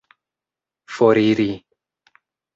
foriri